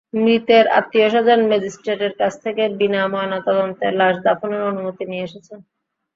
মৃতের আত্মীয়স্বজন ম্যাজিস্ট্রেটের কাছ থেকে বিনা ময়নাতদন্তে লাশ দাফনের অনুমতি নিয়ে এসেছেন।